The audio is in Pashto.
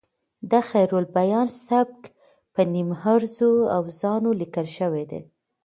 د خیرالبیان سبک په نیم عروضي اوزانو لیکل شوی دی.